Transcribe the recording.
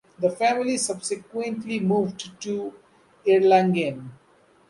The family subsequently moved to Erlangen.